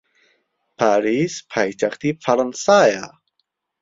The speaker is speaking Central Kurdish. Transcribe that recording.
پاریس پایتەختی فەڕەنسایە.